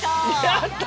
やった！